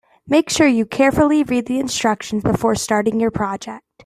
Make sure you carefully read the instructions before starting your project.